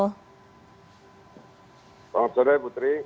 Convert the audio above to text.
selamat sore putri